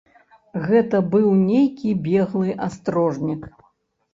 Гэта быў нейкі беглы астрожнік.